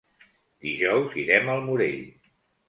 Dijous irem al Morell.